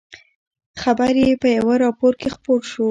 خبر یې په یوه راپور کې خپور شو.